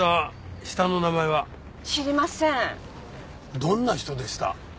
どんな人でした？